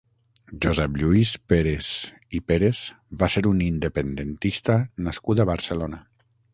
Josep Lluís Pérez i Pérez va ser un independentista nascut a Barcelona.